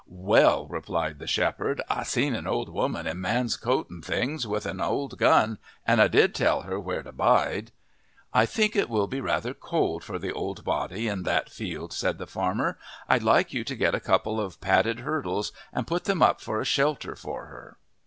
"Well," replied the shepherd, "I seen an old woman in man's coat and things, with an old gun, and I did tell she where to bide." "I think it will be rather cold for the old body in that field," said the farmer. "I'd like you to get a couple of padded hurdles and put them up for a shelter for her."